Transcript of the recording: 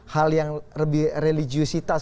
hal yang lebih religiusitas